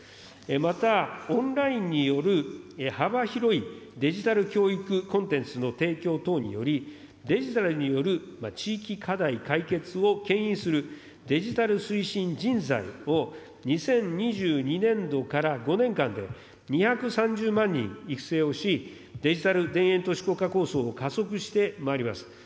また、オンラインによる幅広いデジタル教育コンテンツの提供等により、デジタルによる地域課題解決をけん引する、デジタル推進人材を、２０２２年度から５年間で２３０万人育成をし、デジタル田園都市国家構想を加速してまいります。